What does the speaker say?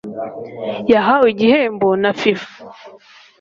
yahawe igihembo na FIFA